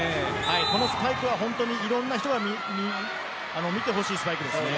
このスパイクは本当にいろんな人に見てほしいスパイクですよね。